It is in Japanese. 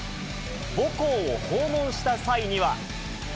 母校を訪問した際には。